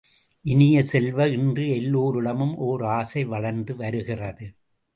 இனிய செல்வ, இன்று எல்லோரிடமும் ஓர் ஆசை வளர்ந்து வருகிறது.